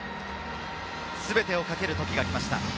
全てをかける時が来ました。